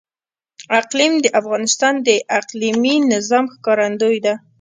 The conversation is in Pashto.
اقلیم د افغانستان د اقلیمي نظام ښکارندوی ده.